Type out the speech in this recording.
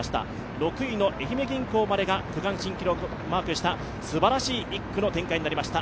６位の愛媛銀行までが区間新記録をマークしたすばらしい１区の展開になりました。